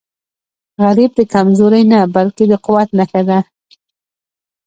غریب د کمزورۍ نه، بلکې د قوت نښه ده